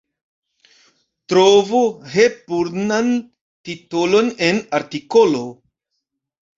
Trovu Hepburn-an titolon en artikolo.